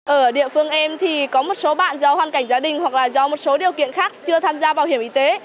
ở địa phương em thì có một số bạn do hoàn cảnh gia đình hoặc là do một số điều kiện khác chưa tham gia bảo hiểm y tế